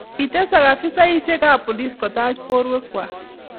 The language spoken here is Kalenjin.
kiitesak afisaisiekab polis kotach borwekwak